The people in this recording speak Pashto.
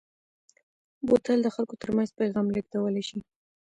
بوتل د خلکو ترمنځ پیغام لېږدولی شي.